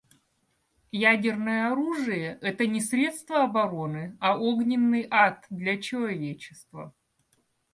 Ядерное оружие − это не средство обороны, а огненный ад для человечества.